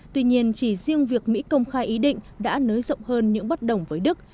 tuy nhiên chỉ riêng việc mỹ công khai ý định đã nới rộng hơn những bất đồng với đức